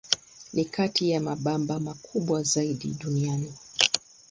Ni kati ya mabamba makubwa zaidi duniani.